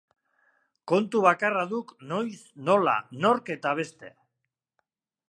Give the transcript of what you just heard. Kontu bakarra duk noiz, nola, nork eta beste.